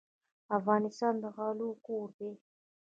افغانستان د غلو کور دی.